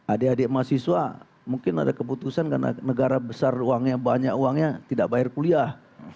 adik adik mahasiswa mungkin ada keputusan karena negara besar uangnya banyak uangnya tidak bayar kuliah